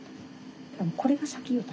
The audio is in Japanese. これが先よ。